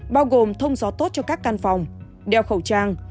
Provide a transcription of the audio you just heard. bao gồm thông gió tốt cho các căn phòng đeo khẩu trang